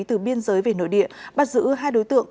từ biên giới về nội địa bắt giữ hai đối tượng